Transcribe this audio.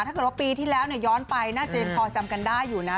ถ้าเกิดว่าปีที่แล้วเนี่ยย้อนไปนะเจนพอจำกันได้อยู่น่ะ